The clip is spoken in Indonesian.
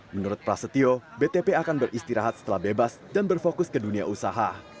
menurut prasetyo btp akan beristirahat setelah bebas dan berfokus ke dunia usaha